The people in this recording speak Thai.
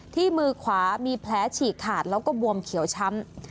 ที่มือขวามีแผลฉีกขาดแล้วก็บวมเขียวช้ำ